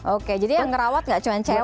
oke jadi yang ngerawat nggak cuma cewek